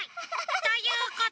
ということで。